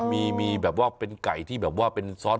มีแบบว่าเป็นไก่ที่แบบว่าเป็นซอส